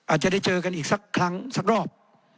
อาจจะได้เจอกันอีกสักครั้งสักรอบ